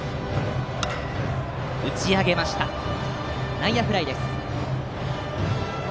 内野フライです。